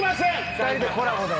２人でコラボで。